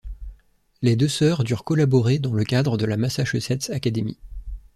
Les deux sœurs durent collaborer dans le cadre de la Massachusetts Academy.